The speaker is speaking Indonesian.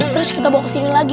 terus kita bawa kesini lagi